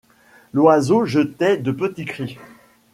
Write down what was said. L'oiseau jetait de petits cris